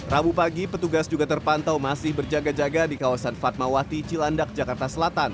rabu pagi petugas juga terpantau masih berjaga jaga di kawasan fatmawati cilandak jakarta selatan